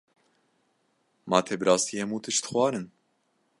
Ma te bi rastî hemû tişt xwarin.